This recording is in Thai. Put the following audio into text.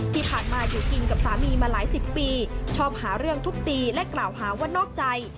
ที่ผ่านมาอยู่กินกับสามีมาหลายสิบปีชอบหาเรื่องทุบตีและกล่าวหาว่านอกใจ